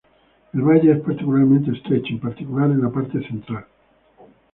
El valle es particularmente estrecho, en particular en la parte central.